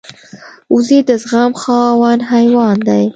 وزې د زغم خاوند حیوان دی